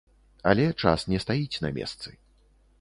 Але час не стаіць на месцы.